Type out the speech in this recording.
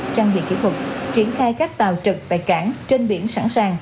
trang dạy kỹ thuật triển khai các tàu trực tại cảng trên biển sẵn sàng